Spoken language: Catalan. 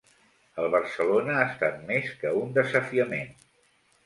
El Barcelona ha estat més que un desafiament.